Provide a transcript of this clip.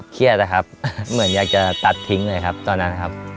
เครียดอย่างอยากจะตัดทิ้งเลยครับตอนนั้นครับ